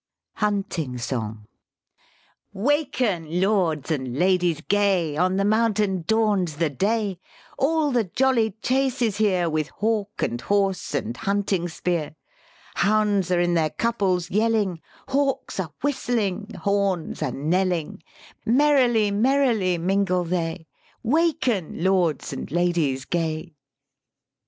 HUNTING SONG " Waken, lords and ladies gay, On the mountain dawns the day; All the jolly chase is here With hawk and horse and hunting spear; Hounds are in their couples yelling, Hawks are whistling, horns are knelling, Merrily, merrily mingle they, 'Waken, lords and ladies gay.'